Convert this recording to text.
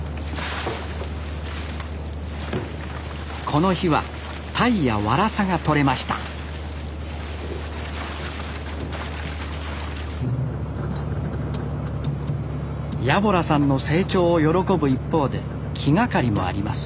この日はタイやワラサが取れました家洞さんの成長を喜ぶ一方で気がかりもあります